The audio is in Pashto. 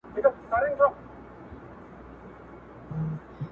ستا په څېر مي هغه هم بلا د ځان دئ٫